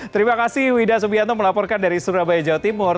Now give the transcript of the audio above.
terima kasih wida subianto melaporkan dari surabaya jawa timur